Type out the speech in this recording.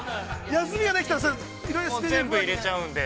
休みができたらいろいろ◆全部入れちゃうんで。